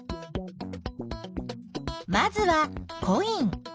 まずはコイン。